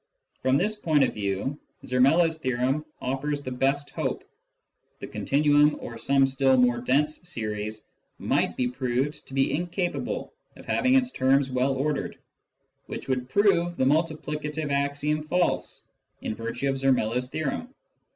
From this point of view, Zermelo's theorem offers the best hope : the continuum or some still more dense series ■might be proved to be incapable of having its terms well ordered, which would prove the multiplicative axiom false, in virtue of Zermelo's theorem.